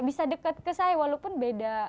bisa dekat ke saya walaupun beda